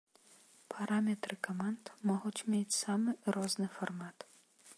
Параметры каманд могуць мець самы розны фармат.